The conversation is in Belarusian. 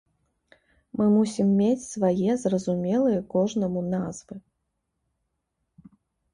Мы мусім мець свае зразумелыя кожнаму назвы.